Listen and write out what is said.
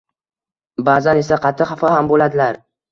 ba’zan esa qattiq xafa ham bo‘ladilar.